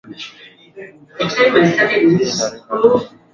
kukusanya taarifa kunatakiwa uweredi mkubwa sana